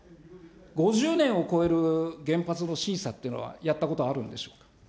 ５０年を超える原発の審査っていうのは、やったことがあるんでしょうか。